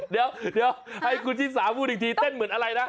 เดี๋ยวให้คุณชิสาพูดอีกทีเต้นเหมือนอะไรนะ